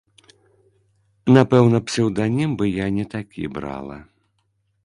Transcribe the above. Напэўна, псеўданім бы я не такі брала.